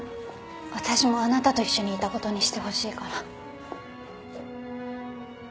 私もあなたと一緒にいたことにしてほしいから。